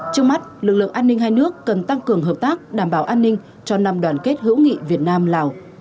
trước mắt lực lượng an ninh hai nước cần tăng cường hợp tác đảm bảo an ninh cho năm đoàn kết hữu nghị việt nam lào